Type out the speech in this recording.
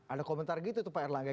ada komentar gitu tuh pak erlangga